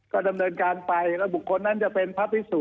ก็ดำเนินการไปแล้วบุคคลนั้นจะเป็นพระพิสุ